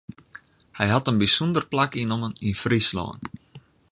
Hy hat in bysûnder plak ynnommen yn Fryslân.